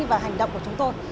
và hành động của chúng tôi